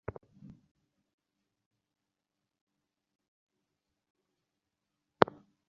বিহারী আহ্বান-অভ্যর্থনার অপেক্ষা না রাখিয়াই মহেন্দ্রের ব্যুহের মধ্যে প্রবেশ করিতে লাগিল।